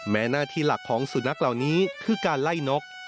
หน้าที่หลักของสุนัขเหล่านี้คือการไล่นก